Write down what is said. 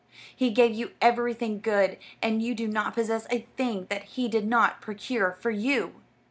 He gave you everything good, and you do not possess a thing that he did not procure for you.